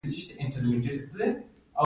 ښځه حق غواړي